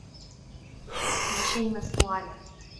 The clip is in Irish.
Bhí Séamus sa bhaile